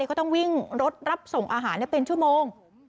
เขาต้องวิ่งรถรับส่งอาหารเป็นชั่วโมง